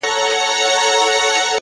سترگي دي توري كه ښايستې خلگ خبري كوي.!